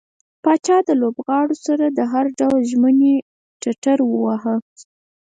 پاچا له لوبغاړو سره د هر ډول ژمنې ټټر واوهه.